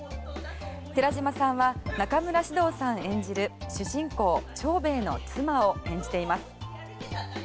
寺島さんは中村獅童さん演じる主人公・長兵衛の妻を演じています。